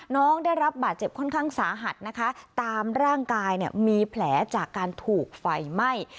น้องได้รับบาดเจ็บค่อนข้างสาหัสนะคะตามร่างกายเนี่ยมีแผลจากการถูกไฟไหม้